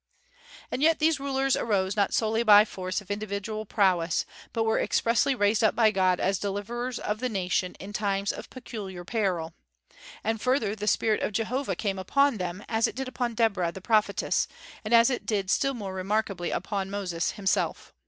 And yet these rulers arose not solely by force of individual prowess, but were expressly raised up by God as deliverers of the nation in times of peculiar peril. And further, the spirit of Jehovah came upon them, as it did upon Deborah the prophetess, and as it did still more remarkably upon Moses himself.